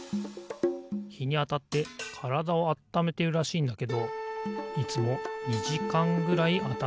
ひにあたってからだをあっためてるらしいんだけどいつも２じかんぐらいあたってんだよな。